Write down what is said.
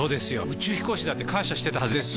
宇宙飛行士だって感謝してたはずです！